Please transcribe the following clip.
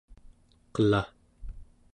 qela